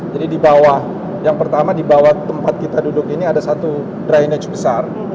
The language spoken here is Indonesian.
jadi di bawah yang pertama di bawah tempat kita duduk ini ada satu drainage besar